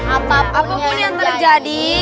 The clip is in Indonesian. apapun yang terjadi